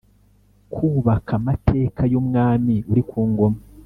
kubaka amateka y’umwami uri ku ngoma.